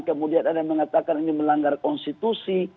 kemudian ada yang mengatakan ini melanggar konstitusi